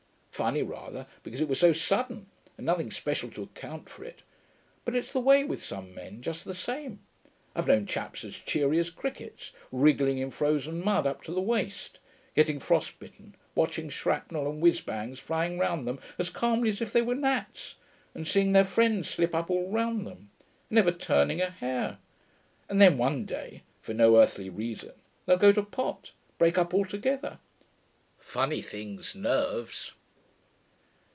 Funny, rather, because it was so sudden, and nothing special to account for it. But it's the way with some men, just the same. I've known chaps as cheery as crickets, wriggling in frozen mud up to the waist, getting frost bitten, watching shrapnel and whizz bangs flying round them as calmly as if they were gnats, and seeing their friends slip up all round them ... and never turning a hair. And then one day, for no earthly reason, they'll go to pot break up altogether. Funny things, nerves....'